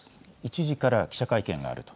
１時から記者会見があると。